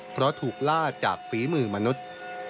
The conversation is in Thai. เพราะถูกล่าจากฝีมือมนุษย์